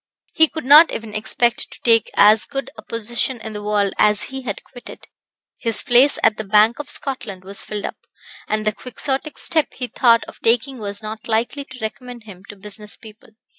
He could not even expect to take as good a position in the world as he had quitted. His place at the Bank of Scotland was filled up, and the quixotic step he thought of taking was not likely to recommend him to business people.